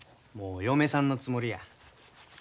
もう嫁さんのつもりや。